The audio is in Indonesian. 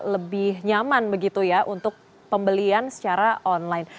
lebih nyaman begitu ya untuk pembelian secara online